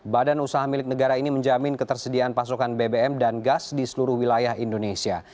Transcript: badan usaha milik negara ini menjamin ketersediaan pasokan bbm dan gas di seluruh wilayah indonesia